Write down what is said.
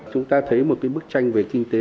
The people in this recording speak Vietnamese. chúng ta thấy một bức tranh về kinh tế